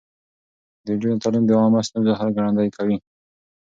د نجونو تعليم د عامه ستونزو حل ګړندی کوي.